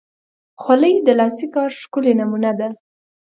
خولۍ د لاسي کار ښکلی نمونه ده.